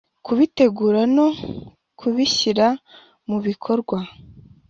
kubitegura no kubishyira mu bikorwa